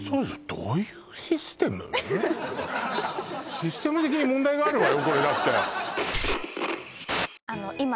システム的に問題があるわよ